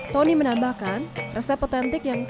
tony menambahkan resep otentik yang